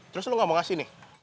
terus lo gak mau ngasih nih